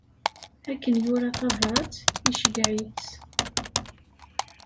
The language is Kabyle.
Akken yura tabrat, iceyyeɛ-itt.